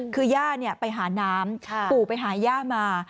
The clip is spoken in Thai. คือย่าไปหาน้ำปู่ไปหาย่ามา